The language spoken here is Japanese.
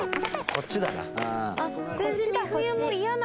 こっちだな。